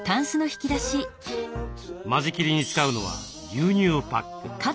間仕切りに使うのは牛乳パック。